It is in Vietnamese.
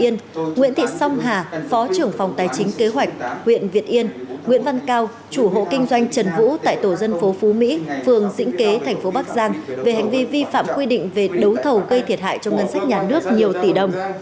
nguyễn thị song hà phó trưởng phòng tài chính kế hoạch huyện việt yên nguyễn văn cao chủ hộ kinh doanh trần vũ tại tổ dân phố phú mỹ phường dĩnh kế thành phố bắc giang về hành vi vi phạm quy định về đấu thầu gây thiệt hại cho ngân sách nhà nước nhiều tỷ đồng